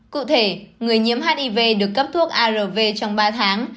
cụ thể người nhiễm hiv được cấp thuốc arv trong ba tháng